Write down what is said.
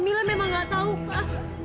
mila memang gak tau pak